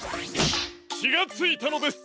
きがついたのです。